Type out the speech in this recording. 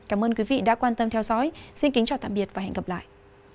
cảm ơn quý vị đã quan tâm theo dõi xin kính chào tạm biệt và hẹn gặp lại